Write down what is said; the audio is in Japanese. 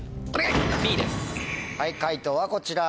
解答はこちら。